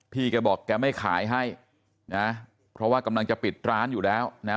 พี่แกบอกแกไม่ขายให้นะเพราะว่ากำลังจะปิดร้านอยู่แล้วนะ